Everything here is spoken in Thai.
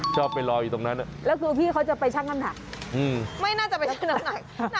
ชอบไปรออยู่ตรงนั้นแล้วคือพี่เขาจะไปชั่งน้ำหนักไม่น่าจะไปชั่งน้ำหนัก